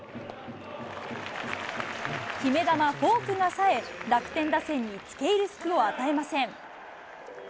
決め球、フォークがさえ、楽天打線につけいる隙を与えません。